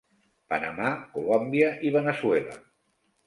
Panamà, Colòmbia i Veneçuela.